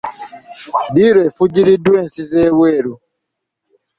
Ddiiru efujjiriddwa ensi z'ebweru.